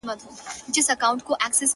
سیاه پوسي ده- جنگ دی جدل دی-